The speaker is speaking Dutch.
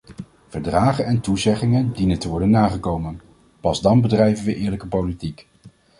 Verdragen en toezeggingen dienen te worden nagekomen; pas dan bedrijven we eerlijke politiek.